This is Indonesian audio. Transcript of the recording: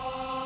agak malu lah